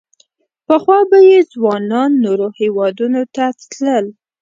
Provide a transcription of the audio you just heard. پخوا به یې ځوانان نورو هېوادونو ته تلل.